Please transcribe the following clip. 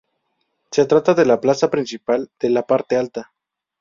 Se trata de la plaza principal de la Parte Alta.